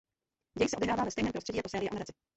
Děj se odehrává ve stejném prostředí jako série o Nadaci.